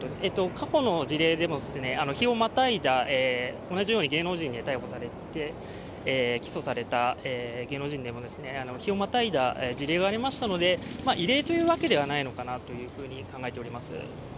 過去の事例でも日をまたいだ同じように芸能人で逮捕されて起訴された芸能人でも、日をまたいだ事例がありましたので、異例というわけではないのかなと考えています。